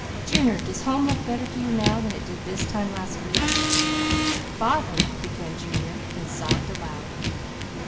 Junior, does home look better to you than it did this time last week?" "Father," began Junior, and sobbed aloud.